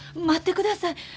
待ってください。